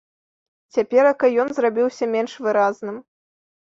Цяперака ён зрабіўся менш выразным.